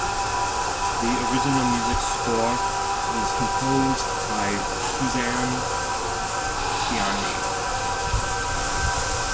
The original music score was composed by Suzanne Ciani.